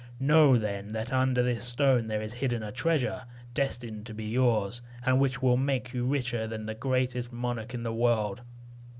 Know, then, that under this stone there is hidden a treasure, destined to be yours, and which will make you richer than the greatest monarch in the world.